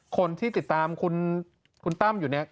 คนที่ติดตามคุณตั้มอยู่เนี่ย